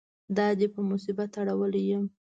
دا دې په مصیبت اړولی یم.